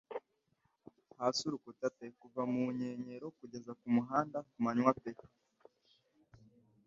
Hasi Urukuta pe kuva mukenyero kugeza kumuhanda kumanywa pe